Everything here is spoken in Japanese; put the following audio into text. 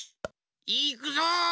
いくぞ！